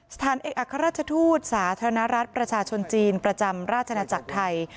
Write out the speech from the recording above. สถานเอกอัครราชทูตสาธารณรัฐประชาชนจีนประจำราชนาจักรไทย